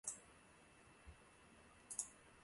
冈萨雷斯。